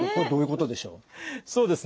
そうですね